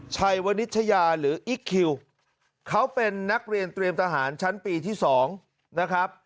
ชัยวนิชยาหรืออิ๊กคิวเขาเป็นนักเรียนเตรียมทหารชั้นปีที่๒นะครับ